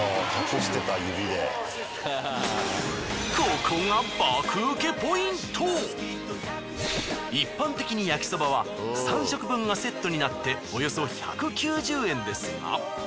ここが一般的に焼きそばは３食分がセットになっておよそ１９０円ですが。